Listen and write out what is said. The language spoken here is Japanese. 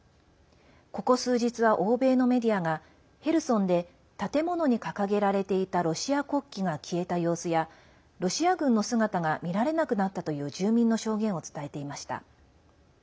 ここ数日は欧米のメディアがヘルソンで建物に掲げられていたロシア国旗が消えた様子やロシア軍の姿が見られなくなったという住民の証言を伝えていました。